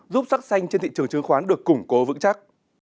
giúp sắc xanh trên thị trường chứng khoán được củng cố vững chắc